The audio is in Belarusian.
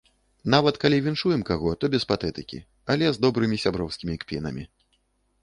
Нават калі віншуем каго, то без патэтыкі, але з добрымі сяброўскімі кпінамі.